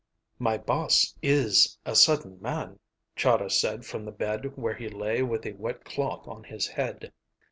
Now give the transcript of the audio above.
"My boss is a sudden man," Chahda said from the bed where he lay with a wet cloth on his head.